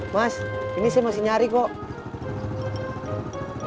mas ini saya masih nyari kok